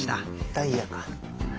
ダイヤか。